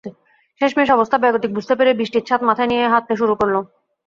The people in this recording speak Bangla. শেষমেশ অবস্থা বেগতিক বুঝতে পেরে বৃষ্টির ছাঁট মাথায় নিয়েই হাঁটতে শুরু করল।